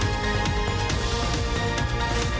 มีความเป็นแม่นักษัตริย์ในเรื่องปกติครับ